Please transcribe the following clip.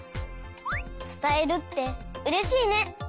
つたえるってうれしいね！